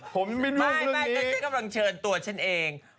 ผมไม่รู้เรื่องนี้ไม่ฉันกำลังเชิญตรวจฉันเอง